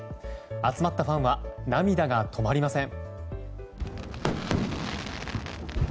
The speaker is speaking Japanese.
集まったファンは涙が止まりません。